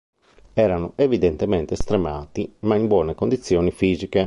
Erano evidentemente stremati ma in buone condizioni fisiche.